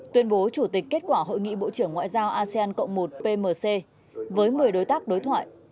tuyên bố chủ tịch kết quả hội nghị bộ trưởng ngoại giao asean cộng một pmc với một mươi đối tác đối thoại